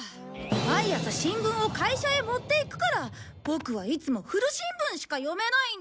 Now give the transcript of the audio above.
毎朝新聞を会社へ持っていくからボクはいつも古新聞しか読めないんだ！